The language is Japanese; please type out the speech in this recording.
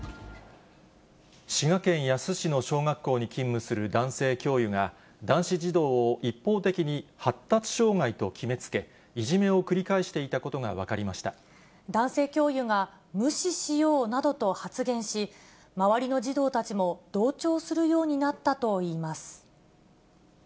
滋賀県野洲市の小学校に勤務する男性教諭が、男子児童を一方的に発達障害と決めつけ、いじめを繰り返していた男性教諭が、無視しようなどと発言し、周りの児童たちも同調するようになったといいます。